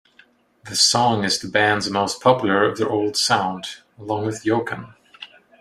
The song is the band's most popular of their old sound, along with Yokan.